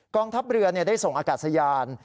ทัพเรือได้ส่งอากาศยาน